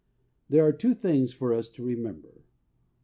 There are two thing's for us to remember : I.